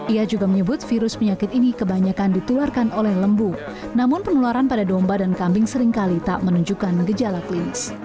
ia juga menyebut virus penyakit ini kebanyakan ditularkan oleh lembu namun penularan pada domba dan kambing seringkali tak menunjukkan gejala klinis